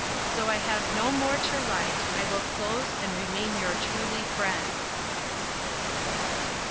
So i have no more to Write i Will Close & Remain "Your Truly Friend."